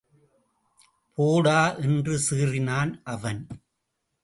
போடா!... என்று சீறினான் அவன்.